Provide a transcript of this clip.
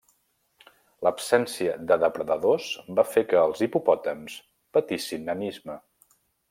L'absència de depredadors va fer que els hipopòtams patissin nanisme.